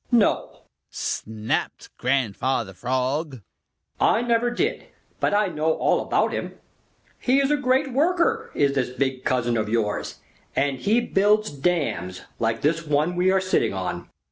"No!" snapped Grandfather Frog. "I never did, but I know all about him. He is a great worker, is this big cousin of yours, and he builds dams like this one we are sitting on."